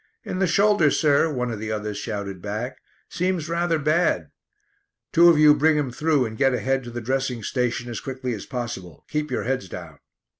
"In the shoulder, sir," one of the others shouted back. "Seems rather bad." "Two of you bring him through and get ahead to the dressing station as quickly as possible. Keep your heads down."